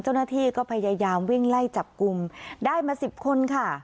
เจ้าหน้าที่ก็พยายามวิ่งไล่จับกลุ่มได้มา๑๐คนค่ะ